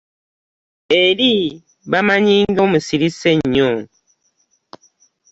Eri bammanyi nga omusirise ennyo.